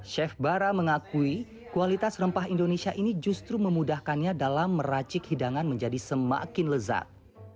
chef bara mengakui kualitas rempah indonesia ini justru memudahkannya dalam meracik hidangan menjadi semakin lezat